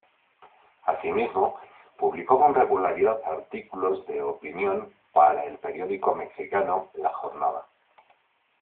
Asimismo, publicó con regularidad artículos de opinión para el periódico mexicano "La Jornada".